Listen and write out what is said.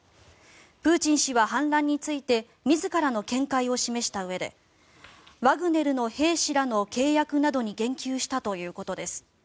プーチン氏は反乱について自らの見解を示したうえでワグネルの兵士らの契約などに言及したということです。